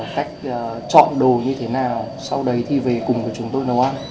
cách chọn đồ như thế nào sau đấy thì về cùng với chúng tôi nấu ăn